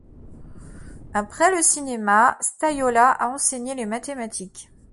Après le cinéma, Staiola a enseigné les mathématiques.